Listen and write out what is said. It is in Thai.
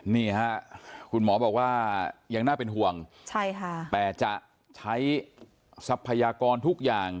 นี่ฮะคุณหมอบอกว่ายังน่าเป็นห่วงใช่ค่ะแต่จะใช้ทรัพยากรทุกอย่าง